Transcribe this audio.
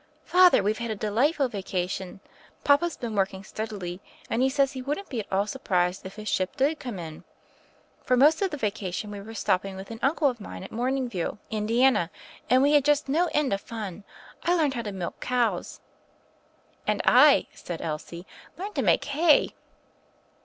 "Father, weVe had a delightful vacation. Papa's been working steadily; and he says he wouldn't be at all surprised if his ship did come in. For most of the vacation we were stop ping with an uncle of mine at Morning View, 70 THE FAIRY OF THE SNOWS Indiana; and we had just no end of fun. I learned how to milk cows." "And I," said Elsie, "learned to make hay."